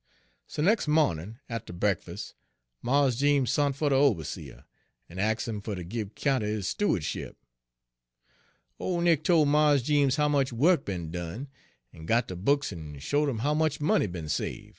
"So nex' mawnin' atter breakfus' Mars Jeems sont fer de oberseah, en ax' 'im fer ter gib 'count er his styoa'dship. Ole Nick tol' Mars Jeems how much wuk be'n done, en got de books en showed 'im how much money be'n save'.